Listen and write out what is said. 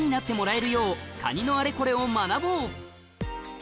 え！